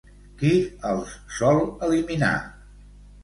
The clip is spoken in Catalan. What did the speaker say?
Qui els sol eliminar?